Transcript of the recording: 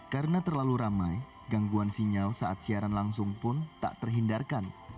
karena terlalu ramai gangguan sinyal saat siaran langsung pun tak terhindarkan